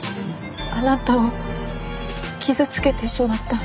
あなたを傷つけてしまった。